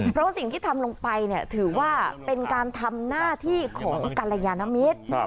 เพราะสิ่งที่ทำลงไปถือว่าเป็นการทำหน้าที่ของกรยานมิตร